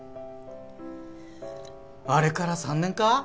あれから３年か。